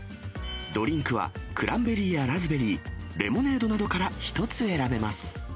ドリンクはクランベリーやラズベリー、レモネードなどから１つ選